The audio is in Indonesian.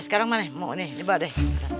sekarang mana mau nih coba deh